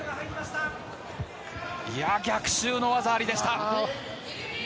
逆襲の技ありでした。